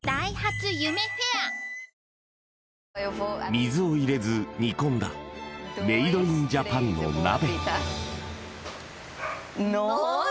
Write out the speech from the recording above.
水を入れず煮込んだメイドインジャパンの鍋